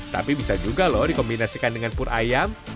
tapi bisa juga loh dikombinasikan dengan pur ayam